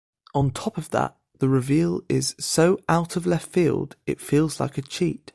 On top of that, the reveal is so out-of-left-field, it feels like a cheat.